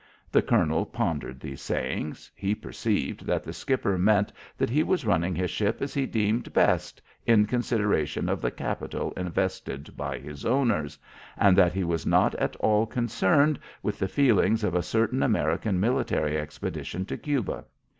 The colonel pondered these sayings. He perceived that the skipper meant that he was running his ship as he deemed best, in consideration of the capital invested by his owners, and that he was not at all concerned with the feelings of a certain American military expedition to Cuba.